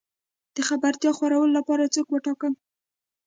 د خبرتيا خورولو لپاره څوک وټاکم؟